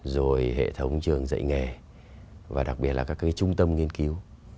rồi hệ thống trường dạy nghề và đặc biệt là các trung tâm nghiên cứu